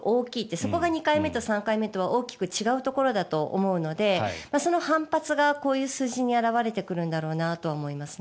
そこが２回目、３回目とは大きく違うところだと思うのでその反発がこういう数字に表れてくるんだろうなとは思いますね。